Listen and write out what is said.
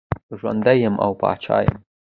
ژوندی یم او پاچا یم.